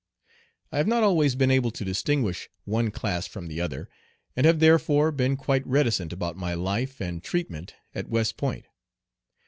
I have not always been able to distinguish one class from the other, and have therefore been quite reticent about my life and treatment at West Point.